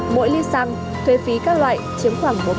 mỗi lít xăng thuế phí các loại chiếm khoảng bốn